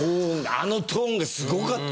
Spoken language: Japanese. あのトーンがすごかった。